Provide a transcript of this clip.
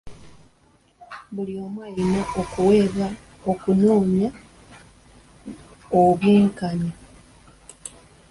Buli omu ayina obuweebwa okunoonya obw'enkanya.